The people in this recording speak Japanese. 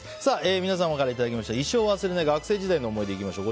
皆さんからいただいた一生忘れない学生時代の思い出いきましょう。